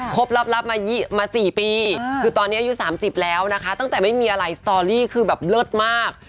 รับมา๔ปีคือตอนนี้อายุ๓๐แล้วนะคะตั้งแต่ไม่มีอะไรสตอรี่คือแบบเลิศมาก